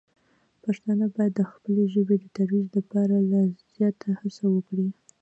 پښتانه باید د خپلې ژبې د ترویج لپاره لا زیاته هڅه وکړي.